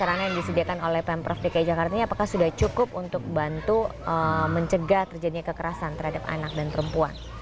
sarana yang disediakan oleh pemprov dki jakarta ini apakah sudah cukup untuk bantu mencegah terjadinya kekerasan terhadap anak dan perempuan